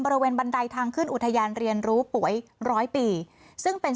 บันไดทางขึ้นอุทยานเรียนรู้ป่วยร้อยปีซึ่งเป็น